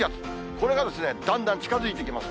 これがだんだん近づいてきます。